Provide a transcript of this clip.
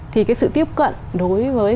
thì cái sự tiếp cận đối với